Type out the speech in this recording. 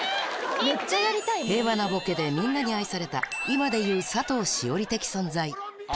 平和なボケで、みんなに愛された、今でいう佐藤栞里的存在。